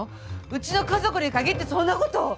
うちの家族に限ってそんな事。